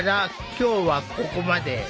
今日はここまで。